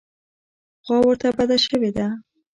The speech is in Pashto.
خوا ورته بده شوې ده.